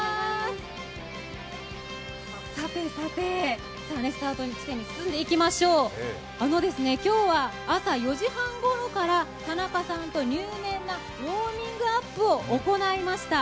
さてさて、スタート地点に進んでいきましょう。今日は朝４時半ごろから田中さんと入念なウォーミングアップを行いました。